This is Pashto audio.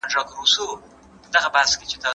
دغه ستونزې به حل سي.